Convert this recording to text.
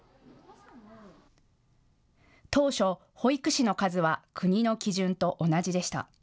当初、保育士の数は国の基準と同じでした。